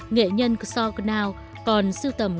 nghệ nhân kso knau còn siêu tầm